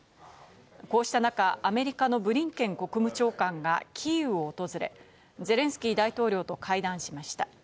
こうした中、アメリカのブリンケン国務長官がキーウを訪れ、ゼレンスキー大統領と会談しました。